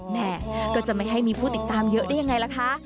แม่ก็จะไม่ให้มีผู้ติดตามเยอะได้ยังไงล่ะคะ